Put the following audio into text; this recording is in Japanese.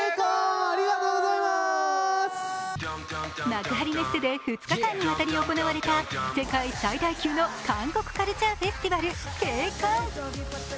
幕張メッセで２日間にわたり行われた世界最大級の韓国カルチャーフェスティバル、ＫＣＯＮ。